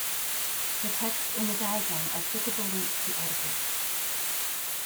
The text in the diagram are clickable links to articles.